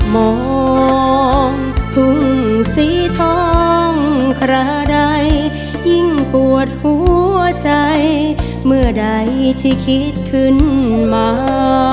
มองทุ่งสีทองคราใดยิ่งปวดหัวใจเมื่อใดที่คิดขึ้นมา